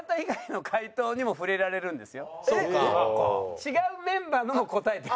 違うメンバーのも答えてる。